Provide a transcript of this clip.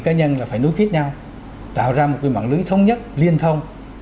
cá nhân là phải nối tiếp nhau tạo ra một cái mạng lưới thống nhất liên thông